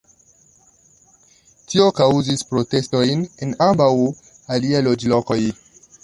Tio kaŭzis protestojn en ambaŭ aliaj loĝlokoj.